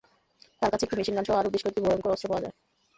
তাঁর কাছে একটি মেশিনগানসহ আরও বেশ কয়েকটি ভয়ংকর অস্ত্র পাওয়া যায়।